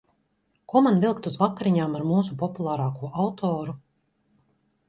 Ko man vilkt uz vakariņām ar mūsu populārāko autoru?